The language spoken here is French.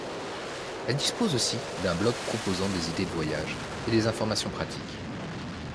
Elle dispose aussi d'un blog proposant des idées de voyage et des informations pratiques.